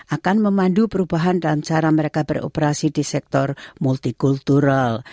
akan memandu perubahan dalam cara mereka beroperasi di sektor multikultural